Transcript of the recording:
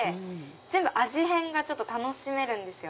全部味変が楽しめるんですよ。